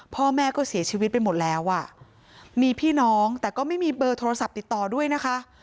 พ่อแม่ก็เสียชีวิตไปหมดแล้วอ่ะมีพี่น้องแต่ก็ไม่มีเบอร์โทรศัพท์ติดต่อด้วยนะคะ